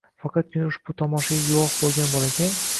Faqatgina ushbu tomoshaga guvoh bo‘lgan bolakay